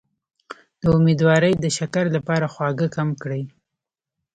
د امیدوارۍ د شکر لپاره خواږه کم کړئ